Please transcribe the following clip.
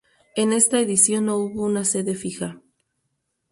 En esta edición no hubo una sede fija.